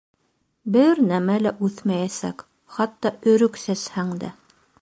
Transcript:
Бер нәмә лә үҫмәйәсәк, хатта өрөк сәсһәң дә.